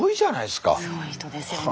すごい人ですよね。